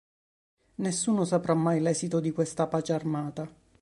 Nessuno saprà mai l'esito di questa pace armata.